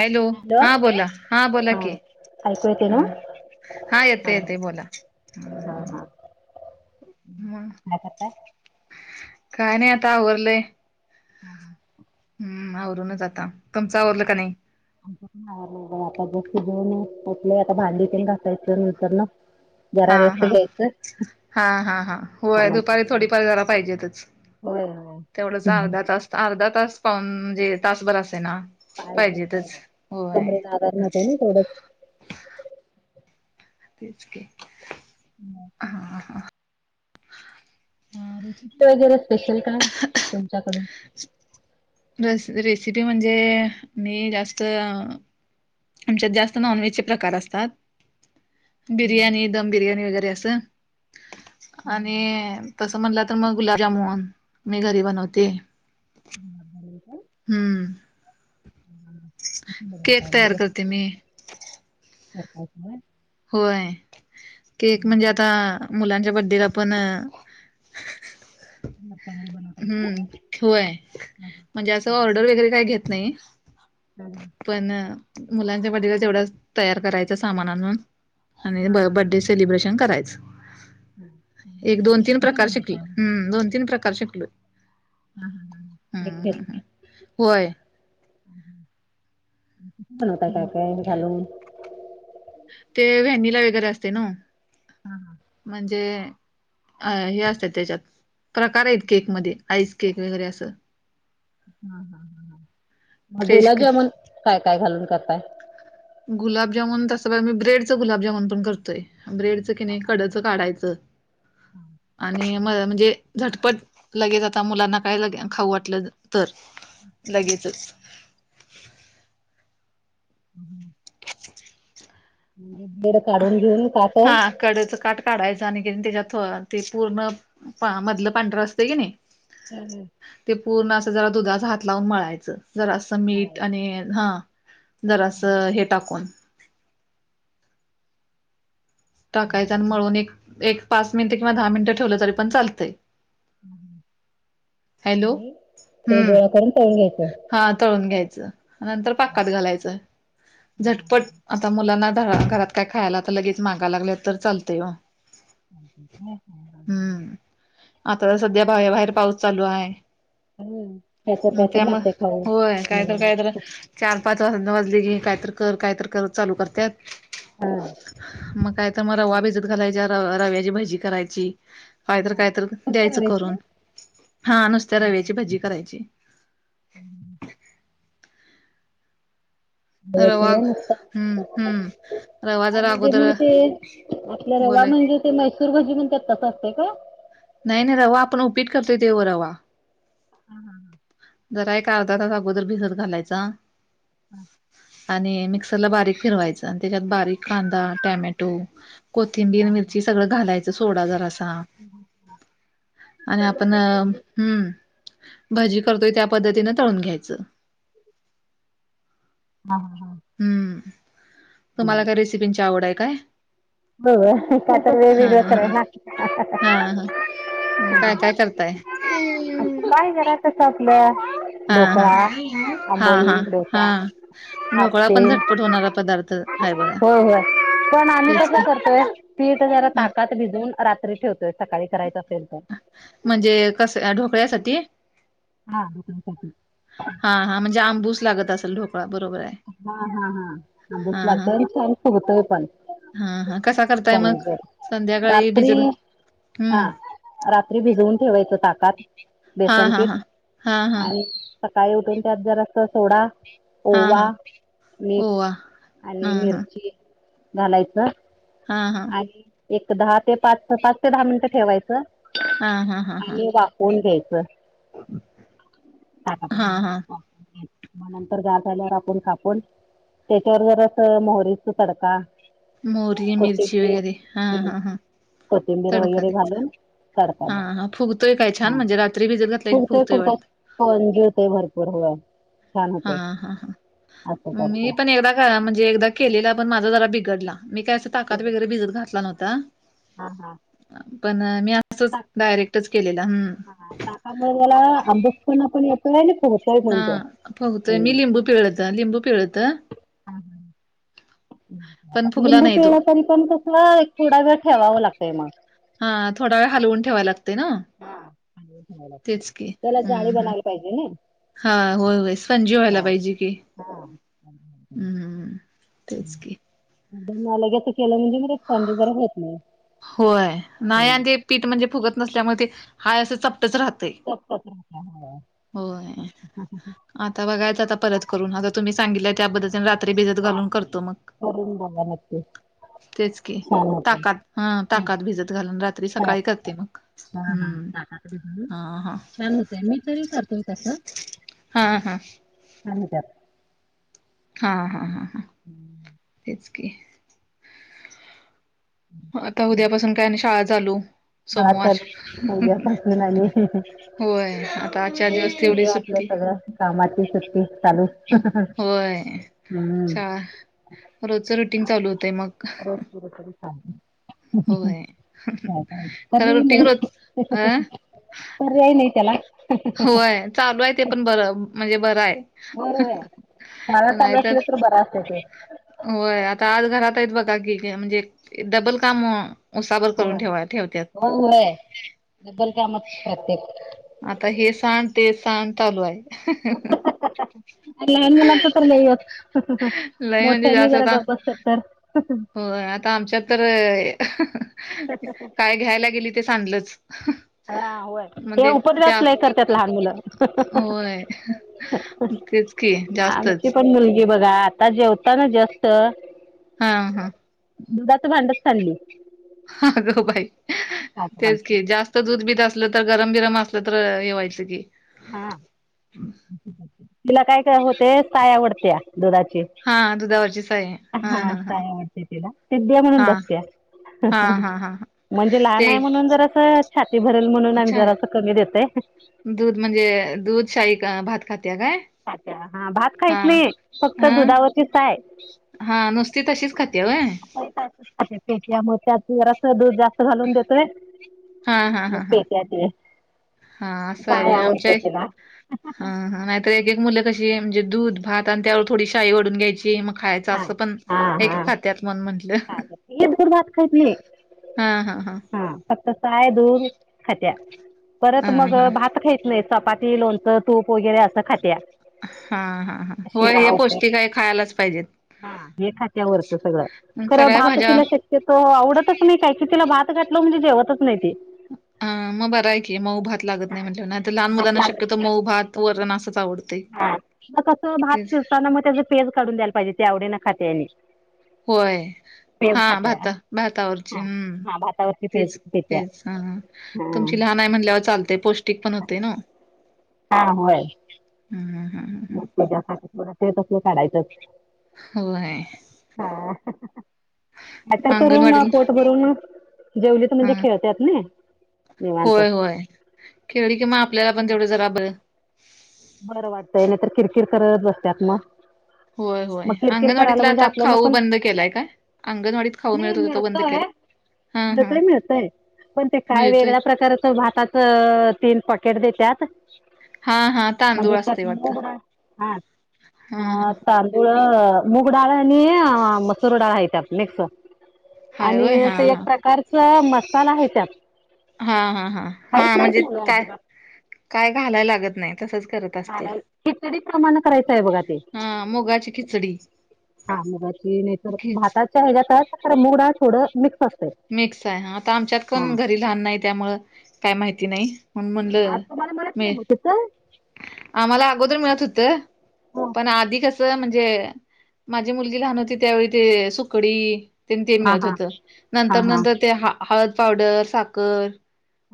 Hello हा बोला, हां बोला हा की ऐकू येते ना हा हा येते येते बोला हा हा मग काय करताय? काय नाही आता आवरल. [inaudible] हम्म आवरूनच आता तुमचं आवरलं का नाही [inaudible] ह नाही बई आता जस्ट जेऊन उठलोय आता भांडी तेन घासायचं नंतर न जरा हा रेस्ट हा घ्यायचं हा हा हा होय दुपारी त्यानंतर थोडीफार जरा पाहिजेतच होय होय तेवढंच हम अर्धा तास अर्धा तास पाहून म्हणजे तासभर असे ना पाहिजेतच होय करण्यात आहे ना थोडंच तेच की [unintelligible] हा हां हा रेसिपी वगैरे स्पेशल काय तुमच्याकडून रस रेसिपी म्हणजे मी जास्त आमच्यात जास्त नॉनव्हेज चे प्रकार असतात बिर्याणी दम बिर्याणी वगैरे असं आणि तस म्हणला तर मग गुलाबजामुन मी घरी बनवते [unintelligible] काय हम्म बनवताय केक तयार करते मी येतात होय होय केक म्हणजे आता मुलांच्या बडडेला पण मग काय नाइ बन हम्म होय म्हणजे असं ऑर्डर वगैरे काही घेत नाही हम् पण मुलांच्या बड्डेला तेवढच तयार करायचं सामान आणून आणि हा ब हा हा हा बड्डे सेलिब्रेशन करायच. एक दोन तीन कसं प्रकार शिकले बनवताय हम्म दोन तीन प्रकार शिकले हम हम हम एकेक हम्म. होय बनवता काय काय घालून ते व्हॅनीला वगैरे असते ना हा हा म्हणजे अ हे असतात त्याच्यात प्रकार आहेत केकमध्ये आईस केक वगैरे असं हा हा हा मग फ्रेश गुलाबजामुन केक काय काय घालून करताय गुलाबजामून तसं ब मी ब्रेडच गुलाबजामुन पण करतोय ब्रेडच त कणी कडचं काढायचं हा आणि म म्हणजे झटपट लगेच आता मुलांना काय लगे खाऊ वाटलं तर लगेचच [inaudible] [inaudible] आणि काय बेड काढून घेऊन काट कडच काठ काढायचं आणि कणी त्याच्यात ते पूर्ण पहा मधल पांढर असतय की नाही. हम् हम ते पूर्ण असं जरा दुधाचा हात लावून मळायचं जरा अस मीठ मळायचं आणि हा जरा असं हे टाकून टाकायचं आणि मळून एक एक पाच मिनिट किंवा दहा मिनिटं ठेवलं तरी पण चालतय. ह ह आणि ते हम्म गोळा करून तळून घ्यायचं हा तळून घ्यायच नंतर हा, पाकात हा, घालायच हा, झटपट हा. आता मुलांना घरा घरात काय खायला आता लगेच माग गा लागल्या तर चालतय व हम्म ह आता तर सध्या बाहे बाहेर पाऊस चालू आहे. हम्म कायतर म कायतर त्यामु लागतंय खाऊ होय काय तर मुलांना. काय तर चार पाच वाज न वाजले की काय तर कर काय तर कर चालू करत्यात. हा मग काय तर मग रवा भिजत घालायच्या र रव्याची भजी करायची. काय तर हां. काय तर फक्त द्यायचं करून रव्याचे? हा नुसत्या रव्याची भजी करायची. रवा रव्याशिवाय नुसतं हम्म हम्म रवा जरा अगोदर आपल्या रवा बोला की म्हणजे ते मैसूर भाजी म्हणत्यात तस असतय का? नाही नाही रवा आपण उपीट करतोय तेव्हा रवा. हम हा ह जरा एक अर्धा तास अगोदर भिजत घालायच. आणि मिक्सरला बारीक फिरवायचं आणि त्याच्यात बारीक कांदा टॅमॅटो, कोथिंबीर मिरची सगळं घालायचं सोडा जरासा. आणि हम्म भाजी करतोय त्या पद्धतीनं तळून घ्यायचं. हा ह हम्म तुम्हाला काय रेसिपींची आवड आहे काय? हो आता हा वेगवेग हा कराय. हा हा हा काय काय करताय? काय घरा तस आपल्या हा हा ढोकळा्या हा हा आंबोली हा डोसा, ढोकळा आप पण झटपट होणारा पदार्थ हाय बघा हो हो पण आम्ही तेच कस की कर. ोय पीठ जरा ह ताकात भिजून रात्री ठेवतोय सकाळी करायचं असेल तर म्हणजे कस ढोकळ्यासाठी हा हा हा म्हणजे आंबूस लागत असल ढोकळा बरोबर आहे. हा हा हा दिस लागत छान ख होतोय पण, हा हा कसा करताय मग स्पॉंजवर संध्याकाळी रात्री भिजर हम्म, हा रात्री भिजवून ठेवायचं ताकात हा हा बेसनपीठ हा हा हा आणि, सकाळी उठून त्यात जरा अस सोडा हा हा ओवा, मीठ ओवा हा आणि हा मिरची घालायचं हा हा आणि एक दहा ते पाच पाच ते दहा मिनिटं ठेवायचं हा हा हा हा आणि वा होऊन घ्यायचं ताटा हा हा मग नंतर ग झाल्यापून कापून, त्याच्यावर जर असं मोहरीचा तडका मोरी मिर्ची कोथिंबीर वगैरे हा हं हा हा. कोथिंबीर तडका वगैरे द्यायचा घालून. तडका हा द्यायचा हा फुगतोय काय छान म्हणजे रात्रीि जर घातला क फगतोय वाटं. होन जिवतेय भरपूर हो, हा हा हा मी करते पण एकदा, रा म्हणजे एकदा केलेला पण माझा जरा बिघडला मी काय अस ताकात वगरे भिजत घातला नव्हता. हा हा पण मी असंच डायरेक्टच केलेला हम् त्यामुळे त्याला अंबूसण पण येतो. हा बघतोय मी लिंबू पिवळत लिंबू पिवळत. ह ह पण फुगला लिंबू नाही तो. पिळा तरी पण कसं एक थोडा वेळ ठेवावं लागतंय मग. हा थोडा वेळ हलवून ठेवाय लागते ना. [unintelligible] तेच की त्याला जाळी हम्म हम्म. बनायला पाहिजे. हा होय होय संजीव आला हा पाहिजे कि हा हम्म. तेच की. मलागेच केलं म्हणजे म सांज जरा होत नाही. होय नाही हम्म. आणि ते पीठ म्हणजे फुगत नसल्यामुळे ते हाय असं चपटच राह होय. [inaudible] आता बघायच आता परत करून आता तुम्ही सांगितलंय त्यापद्धतीने रात्री भिजत घालून करतो मग करून बघा नक्की तेच की छान होतं. ताकात हा हम्म. ताकात भिजत घालून रात्री हा सकाळी हा करते मग हा हम्म ह ह. तिल करतोय तस. हा हा. आम्ही त्यात हा हा हा हा. हम्म. तेच की. आता उद्यापासून काय नाही शाळा चालू. [unintelligible] [unintelligible] सोमवार ते होय आता आजच्या दिवस तेवढी आपलं सुट्टी सगळ्या कामाची सुट्टी चालू. होय हम्म शाळा रोजच रुटीन चालू होतंय मग. [unintelligible] होय खरं रुटीन रोज अ पर्याय नाही त्याला. होय होय चालू आहे ते पण बरं म्हणजे बरं आहे. बर आहे मला चालू नाहीतर असले तर बरा असतय ते. होय आता आज घरात आहेत बघा की म्हणजे डबल काम उसावर करून होय ठेवा ठेवत्यात. होय डबल काम प्रत्येक. आता हे सांड ते सांड चालू आहे. [unintelligible] लहान मुलाच तर लय अस लय म्हणजे मोठ्यानी जास्त जरा आता गप बसल तर. होय आता आमच्यात तर काय घ्यायला गेली ते सांडलच. हा होय हे उपद्वाप लय करतात लहान मुलं. होय तेच की आमची जास्तच पण मुलगी बघा आता जेवतांना जस्ट हा हा. दुधाचं भांडच सांडलं. अग बाई तेच की जास त दूध बीध असलं तर गरम बिरम असलं तर हे व्हायचं की. हा तिला काय काय होते साय आवडत्या दुधाची. हा दुधावरची साय. हा काय आवडते तिला सध्या म्हणून हा बसते. हा हा हा म्हणजे लहान ते आहे म्हणून जर असं छाती भरेल म्हणून आ अच्छा जरा असं कमी देतोय दूध म्हणजे दूध शाही भात खाते काय. अच्छा हा भात हा खाईत नाही फक्त हा दुधावरची साय. हा नुसती तशीच खाते व्हय. [unintelligible] दूध जात. घालून देतोय हा हा म हा हा पित्या ते. हा असं ये साय व्हय आमच्या आवडते तिला. हा हा. तर एक एक मुलं कशी म्हणजे दूध भात आणि त्यावर थोडी शाई वरुन घ्यायची म खायच हा. असं पण एक एक खात्यात म्हणून म्हटलं. गर भात खहीत नाही हा. फक्त साय दूर खात्या परत हा मग हा भात खायत नाहीत. चपाती, लोणचं, तूप वगैरे असं खाते. हा हा हा व हे पौष्टिक आहे खायलाच पाहिजेत. हा हे खात्यावरत सगळं. मग खरं सगळ्या भात भाज्या तिला शक्यतो आवडतच नाही काही क तिला भात घातलं म्हणजे जेवतच नाही ते. ह मग बर आहे की मऊ भात लागत नाही म्हटलं म्ह ना आ लहान भात मुलांना लागत शक्यतो नाही मऊ भात. वरण असच आवडतं. हा मग कसं भात शिजताना मग त्याच पेज काढून द्यायला पाहिजे ते आवडे न खातेने. होय. हा भाता भातावरची हम्म हा भातावरची पेज तेच त्याच्या तेच हा हा तुमची लहान. नाही म्हणल्यावर चालते पौष्टिक पण होते ना. हा होय. हम् हम हम. म ते तस काढायचंच. हो आहे. हा. आ तरर करून अंगणवाडी कोर्ट भरून जेवले तर हा म्हणजे खेळतत ना. निवांत होय होय खेवळी कि म आपल्याला पण तेवढे जरा बर. बरं वाटतंय नाहीतर किरकिर करत बसतत मग. होय होय मग किरकिर करायला अंगणवाडीतला म्हणजे आता आपल्याला खाऊ पण बंद केलाय काय अंगणवाडीत खाऊ मिळत होता तर बंद केला. हा हा मिळतय मिळतय पण ते काय मिळतोय. वेगळ्या प्रकारच भातात. अ तीन पॉकेट देतात. हा हा म्हणजे तांदूळ त्यात असतय मो. वाटतं हा हा मुळ मूग डाळ आणि मसूर डाळ आहे त्यात मिक्सर. हाय आणि होय हा असं एक हा. प्रकारच मसाला आहे त्यात. हा हा हा काहीच हा नाहीत म्हणजे मुलं काय अजिबात काय घालाय लागत नाही तसच करत. असतील. खीचडी प्रमाणात. करा बघा ते हा मुगाची खिचडी नाही खिच भात. ात ख मुडा थोडा मिक्स. असतंय मिक्स आहे ह आता आमच्यात कोण हां घरी लहान नाही त्यामुं काय माहिती नाही. म्हण आज म्हणलं तुम्हाला मिळत म नाही मग तिथं आम्हाला अगोदर मिळत होत पण आधी कस. म्हणजे माझी मुलगी लहान होती त्यावेळी ते सुकडी. ते हां मिळत हां होत हां नंतर हां नंतर ते हळद, पावडर, साखर.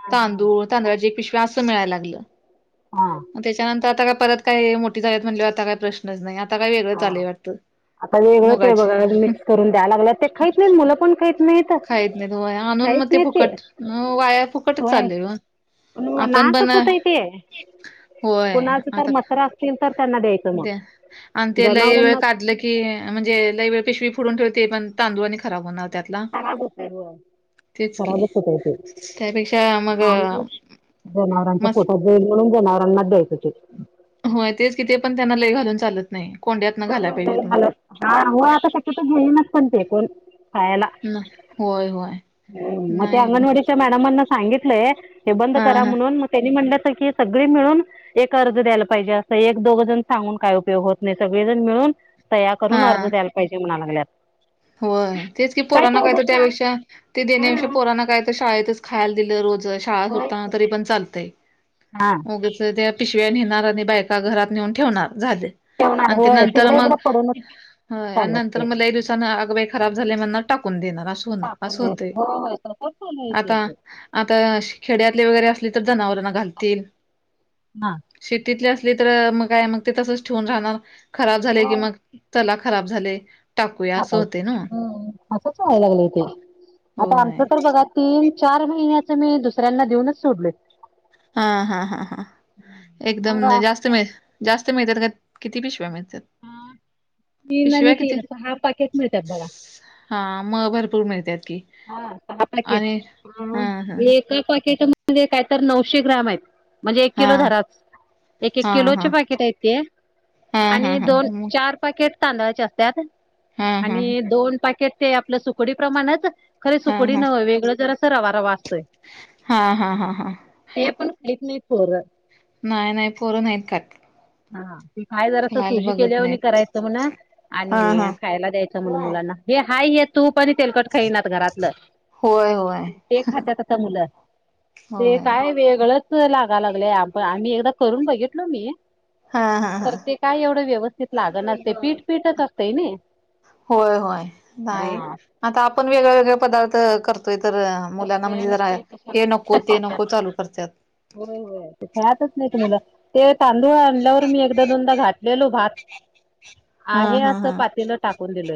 हां हां तांदूळ तांदुळाची एक पिशव्या असं मिळायला लागलं. हां मग त्याच्यानंतर आता का परत काय मोठी झाल्यात म्हणल आता काही प्रश्नच नाही आता काय वेगळं हां चालय वाटतं. आता वेगळं ते मुगाची मिक्स करून द्याय लागलात ते खहीत नाहीत मुलं पण खात नाही. खात नाही तया आणून मग ते फुकट वाया फुकटच चाललेय. नव नाखच होतये ते. होय कुणाच तर आता मसरा असतील तर त्यांना द्यायचं द मग आणि त्याला वेळ जनावरांना काढलं की. की म्हणजे लई वेळ पिशवी फोडून ठेवते पण तांदूळ आणि खराब होणार. त्यातला च होत हो. तेच की खराब अस होतय ते त्यापेक्षा मग आणि जनावरांचा मस् फोटो. म्हणून जनाववरना देईच ते. होय तेच किथे पण त्यांना लय घालून चालत. नाही कोंड्यात. न घालाय पाहिजेत मग हो हा आता शक्यत घेईनच पण ते कोण खायाला. ना होय होय. मग ते नाही हो अंगणवाडीच्या मॅडमांना सांगितलंय हे बंद हा करा हा म्हणून म. त्यांनी म्हटलंच की सगळे मिळून. एक अर्ज द्यायला पाहिजे असं एक दोघ जण सांगून काय उपयोग होत नाही सगळेजण मिळून. तया करून अर्ज हा द्यायला पाहिजे म्हणा लागल्यात. होय तेच की प पुराना काय तर चौघच ना त्यापेक्षा ते देण्यापेक्षा प हा पुराना काय तर शाळेतच. खायला दिलं रोज शाळा होय सुटताना की. तरी पण हा. चालतंयग त्या. पिशव्या नेणार आणि बायका घरात नेऊन ठेवणार झाले. ठेवणार आणि त्या होय नंतर तिकडे मग इकडे पडूनच आणि चालत नंतर ते मग. आग बाई खराब झालं मग टाकून दे. टाकून अस हो द्यायचं ते होय होय तसंच चालू आहे ते आता. ते. आता खेड्यातले वगैरे असले तर जनावरांना घालतील. हा. शेतीतली असली तर मग काय मग ते तसच ठेवून राहणार खराब झाले की होय मग. चला खराब झाले. टाकूया असं आकायच होते ना. असंच वयला लागले ते आता होय आमचं तर बघा. तीन चार महिन्याच मी दुसऱ्यांना देऊनच सोडले. हा हा हा हा मग एकदम जास्त मिळे. जास्त मिळतात का किती पिशव्या मिळतात? हा म न पिशव्या नाही किती? तीरास हाफ पाॅकेट मिळतेय बघ. हा मग भरपूर मिळतात की. हा सहा पॅकेट आणि हा हा एका पॅकेटमध्येण काय तर नऊशे ग्राम आहेत. म्हणजे एक हा किलो धराच एक एक हा किलोचे हा पॅकेट आहेत. हा हा आणि हा दोन मग चार. पाकेट तांदळाचे असतात हा हा आणि दोन पाकेट ते आपलं सुकडी प्रमाणच. खरे हा सुकडी हा नव वेगळं जर असं रवा रवा असतोच. हा हा हा हा. ते पण काहीच नाही फोरत. नाही नाही फोर नाही आहेत का? हा. काय जरा अस सुजी बघत केल्यावर नाहीत करायचं म्हण हा हा आणि खायला द्यायचं म्हण मुलांना. हे हाय हे तू पण तेलकट खाईना घरातलं. होय होय आणि ते खातात आता मुलं ते होय काय वेगळत. लागा लागलेयण आम्ही एकदा करून बघितलो मी. हा हा हा तर ते काय एवढं व्यवस्थित लाग न असते पीठपीठच असतेय नाही. होय होय नाही आता आपण वेगळे वेगळे पदार्थ करतोय तर. मुलांना म्हणजे आणि जरा ते हे नको ते नको चालू करतात. हो हो खेळतच नाही तुम्हाला ते तांदूळ आणल्यावर मी एकदा दोनदा घाट ललो भात हा आहे हा असं हा पातीन टाकून दिलोय.